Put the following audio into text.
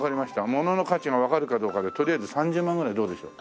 物の価値がわかるかどうかでとりあえず３０万ぐらいでどうでしょう？